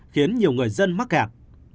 khiến nhiều người dân mắc kẹt